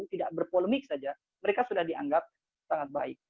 tidak berpolemik saja mereka sudah dianggap sangat baik